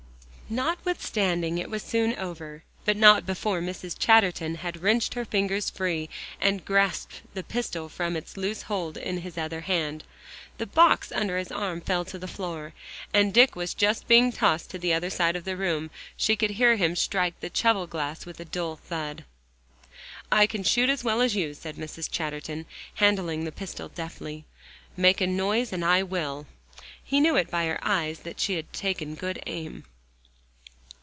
Notwithstanding, it was soon over, but not before Mrs. Chatterton had wrenched her fingers free, and grasped the pistol from its loose hold in his other hand. The box under his arm fell to the floor, and Dick was just being tossed to the other side of the room; she could hear him strike the cheval glass with a dull thud. "I can shoot as well as you," said Mrs. Chatterton, handling the pistol deftly. "Make a noise, and I will." He knew it, by her eyes, and that she had taken good aim.